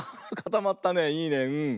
いいねうん。